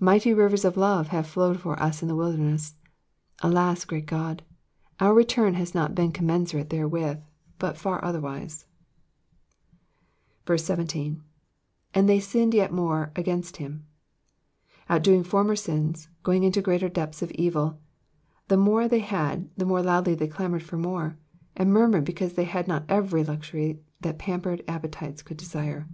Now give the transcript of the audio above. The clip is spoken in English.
Mighty rivers of love have flowed for us in the wilderness. Alas, great God I our return has not been commensurate therewith, but far otherwise. Digitized by VjjOOQIC ASS EXPOSITIONS OF THE PSALU8. 17. *Mn4 they sinned yet more against him.'*'' Outdoing former sins, going into greater deeps of evil : the more they had the more loudly they clamoured for more, and murmured because they had not every luxury that pampered appetites could desire.